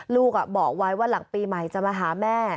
ลูกบอกไว้ว่าหลังปีใหม่จะมาหาแม่